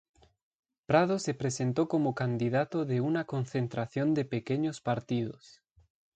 Prado se presentó como candidato de una concentración de pequeños partidos.